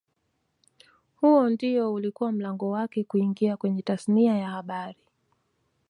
Huo ndio ulikuwa mlango wake kuingia kwenye tasnia ya habari